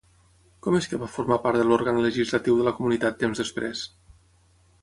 Com és que va formar part de l'òrgan legislatiu de la comunitat temps després?